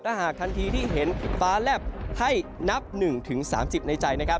ถ้าหากทันทีที่เห็นฟ้าแลบให้นับ๑๓๐ในใจนะครับ